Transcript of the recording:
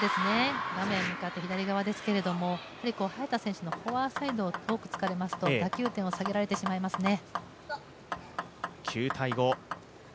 画面向かって左側ですけど、早田選手のフォアサイドを多くつかれますと打球点を下げられてしまいますね。